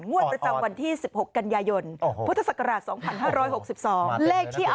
งวดประจำวันที่๑๖กันยายนพุทธศักราช๒๕๖๒เลขที่